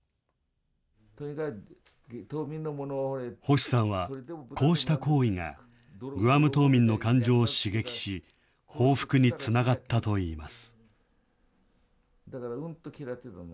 星さんは、こうした行為がグアム島民の感情を刺激し、報復につながったといいます。